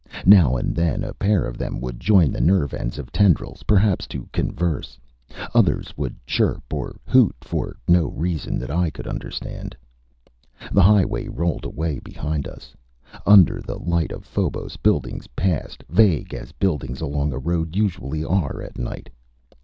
Now and then a pair of them would join the nerve ends of tendrils, perhaps to converse. Others would chirp or hoot for no reason that I could understand. The highway rolled away behind us, under the light of Phobos. Buildings passed, vague as buildings along a road usually are at night.